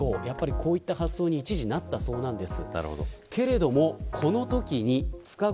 こういった発想に一時なったそうなんです。